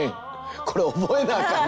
これ覚えなあかんの？